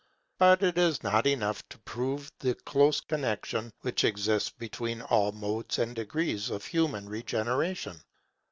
But it is not enough to prove the close connexion which exists between all modes and degrees of human regeneration.